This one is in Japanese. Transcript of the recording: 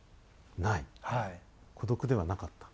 孤独ではなかった？